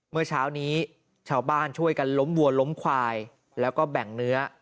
เมื่อเช้านี้ชาวบ้านช่วยกันล้มวัวล้มควายแล้วก็แบ่งเนื้อ